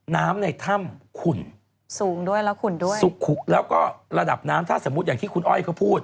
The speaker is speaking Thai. น้ำในถ้ำขุ่นสูงด้วยแล้วขุ่นด้วยสุขแล้วก็ระดับน้ำถ้าสมมุติอย่างที่คุณอ้อยเขาพูด